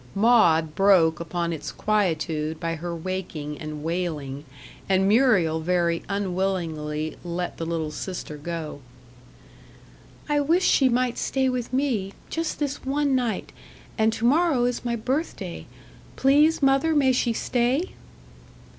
Maud broke upon its quietude by her waking and wailing; and Muriel very unwillingly let the little sister go. "I wish she might stay with me just this one night; and to morrow is my birthday. Please, mother, may she stay?"